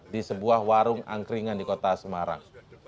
di sebuah warung angkringan di kota semarang